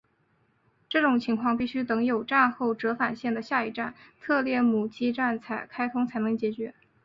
这种情况必须等有站后折返线的下一站特列姆基站开通才能解决。